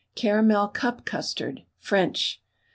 CARAMEL CUP CUSTARD (French).